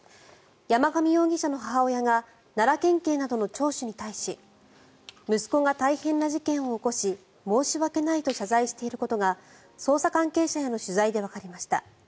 山上容疑者の母親が奈良県警などの聴取に対し息子が大変な事件を起こし申し訳ないと謝罪していることが捜査関係者への取材でわかりました。